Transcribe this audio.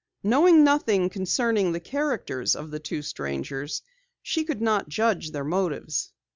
Knowing nothing concerning the characters of the two strangers, she could not judge their motives.